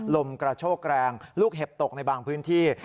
ลมกระโชกแรงลูกเห็บตกในบางพื้นที่